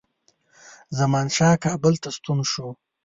زمانشاه کابل ته ستون شو.